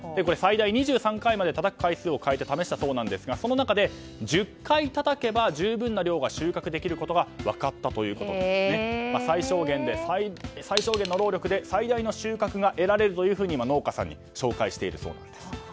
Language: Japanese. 最大２３回までたたく回数を変えて試したそうですがその中で１０回たたけば十分な量が収穫できることが分かったということで最小限の労力で最大の収穫が得られるというふうに農家さんに紹介しているそうです。